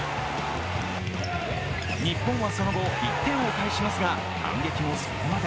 日本はその後、１点を返しますが、反撃もそこまで。